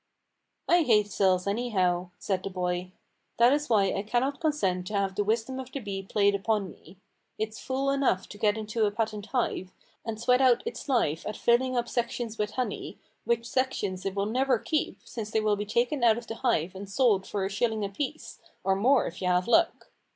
"I hate cells, anyhow," said the boy. "That is why I cannot consent to have the wisdom of the bee played upon me. It's fool enough to go into a patent hive, and sweat its life out at rilling up sections with honey, which sections it will never keep, since they will be taken out of the hive and sold for a shilling apiece, or more if you have luck.